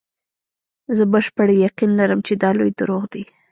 زه بشپړ یقین لرم چې دا لوی دروغ دي.